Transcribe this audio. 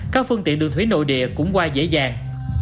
các phương tiện đường thủy nội địa cũng qua dễ dàng